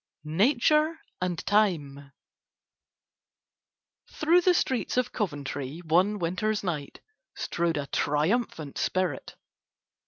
NATURE AND TIME Through the streets of Coventry one winter's night strode a triumphant spirit.